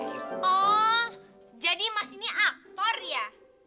oh jadi mas ini aktor ya